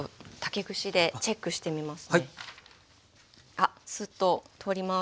あっスッと通ります。